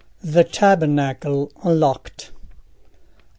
The Tabernacle Unlocked.